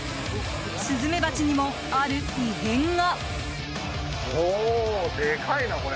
スズメバチにも、ある異変が。